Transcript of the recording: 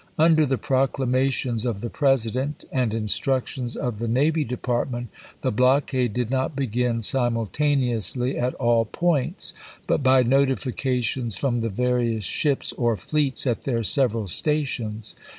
Under the proclamations of the President and instructions of the Navy Department, the blockade did not begin simultaneously at all points, but by notifications from the various ships or fleets at their several stations.